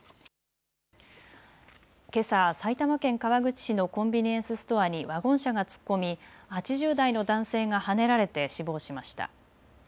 けさ、埼玉県川口市のコンビニエンスストアにワゴン車が突っ込み、８０代の男性がはねられて死亡しました。